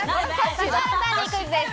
指原さんにクイズです。